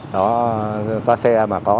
toa xe mà có